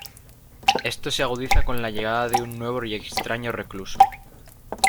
Esto se agudiza con la llegada de un nuevo y extraño recluso.